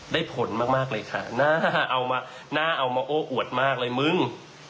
ได้ผลมากเลยค่ะน่าเอามาโอ้อวดมากเลยมึง